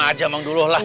udah aja mangdulo lah